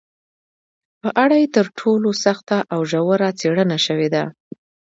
په اړه یې تر ټولو سخته او ژوره څېړنه شوې ده